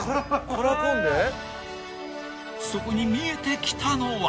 ［そこに見えてきたのは］